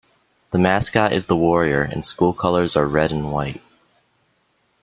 The mascot is the warrior and school colors are red and white.